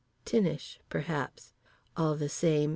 —Tinish, perhaps. All the same.